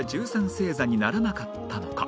星座にならなかったのか？